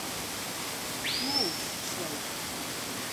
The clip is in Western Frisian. Mûs slepe.